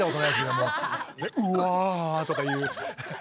うわぁ！とか言う。